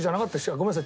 ごめんなさい。